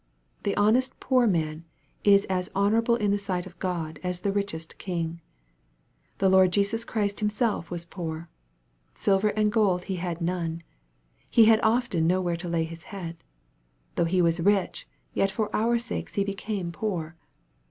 The honest poor man is as honor able in the sight of God as the richest king. The Lord Jesus Christ Himself was poor. Silver and gold He had none. He had often nowhere to lay His head. Though He was rich, yet for our sakes He became poor.